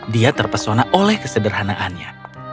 dia terpesona oleh kesederhanaannya